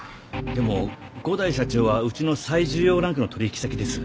でも五大社長はうちの最重要ランクの取引先です。